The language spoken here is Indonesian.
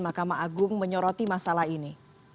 mahkamah agung menyoroti masalah ini